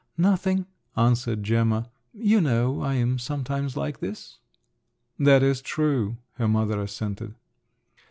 "Nothing," answered Gemma; "you know I am sometimes like this." "That is true," her mother assented.